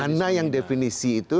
mana yang definisi itu